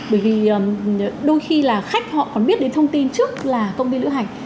bởi vì đôi khi là khách họ còn biết đến thông tin trước là công ty lữ hành